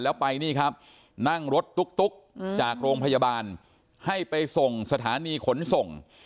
แล้วไปนี่ครับนั่งรถตุ๊กจากโรงพยาบาลให้ไปส่งสถานีขนส่ง